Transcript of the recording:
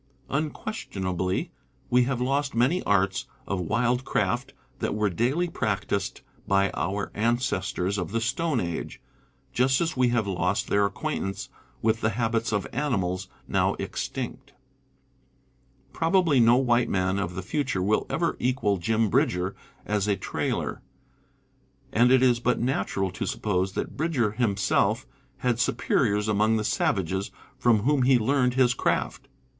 Unques tionably we have lost many arts of wildcraft that were daily practised by our ancestors of the stone age, just as we have lost their acquaintance with the habits of animals now extinct. Probably no white man of the future will ever equal Jim Bridger as a trailer ; and it is but natural to suppose that Bridger himself had superiors among the savages from whom he learned his craft.